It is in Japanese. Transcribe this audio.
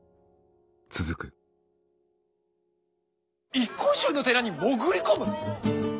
一向宗の寺に潜り込む！？